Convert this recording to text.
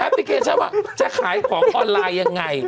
พลิเคชันว่าจะขายของออนไลน์ยังไง